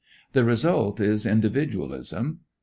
The result is individualism.